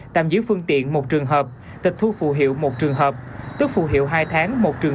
tạm giữ phương tiện một trường hợp tịch thu phụ hiệu một trường hợp tức phù hiệu hai tháng một trường